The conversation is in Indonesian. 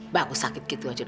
bakal sakit gitu aja